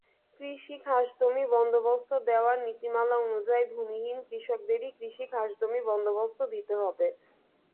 কৃষি খাসজমি বন্দোবস্ত দেওয়ার নীতিমালা অনুযায়ী, ভূমিহীন কৃষকদেরই কৃষি খাসজমি বন্দোবস্ত দিতে হবে।